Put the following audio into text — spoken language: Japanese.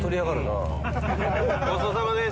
ごちそうさまです。